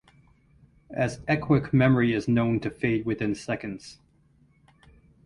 As echoic memory is known to fade within seconds.